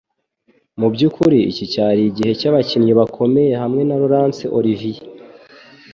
Mubyukuri, iki cyari igihe cyabakinnyi bakomeye hamwe na Laurence Olivier,